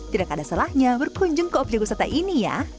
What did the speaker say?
tidak ada salahnya berkunjung ke objek wisata ini ya